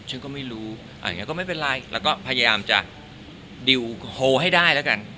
ฉันก็ไม่รู้อย่างนี้ก็ไม่เป็นไรแล้วก็พยายามจะดิวโฮให้ได้แล้วกัน